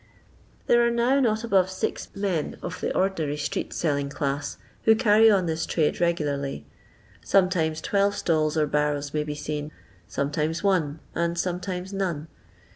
There are now not above six men (of the ordi nary street selling class) who carry on this trade regularly. Sometimes twelve stalls or barrows may be seen; sometimes one, and sometimes none.